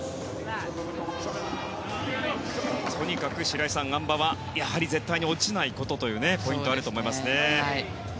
とにかく白井さん、あん馬は絶対に落ちないことというポイントがあると思いますが。